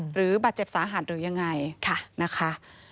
หรือบาดเจ็บสาหัสหรือยังไงนะคะ